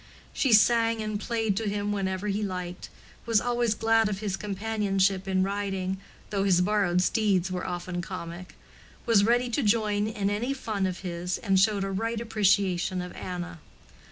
She sang and played to him whenever he liked, was always glad of his companionship in riding, though his borrowed steeds were often comic, was ready to join in any fun of his, and showed a right appreciation of Anna.